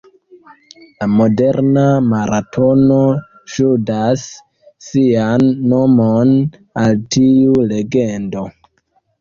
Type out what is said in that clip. La moderna maratono ŝuldas sian nomon al tiu legendo.